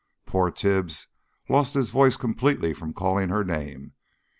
Poor Tibbs lost his voice completely from calling her name.